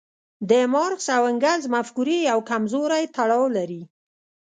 د مارکس او انګلز مفکورې یو کمزوری تړاو لري.